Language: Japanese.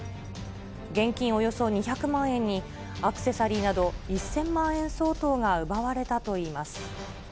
現金およそ２００万円に、アクセサリーなど１０００万円相当が奪われたといいます。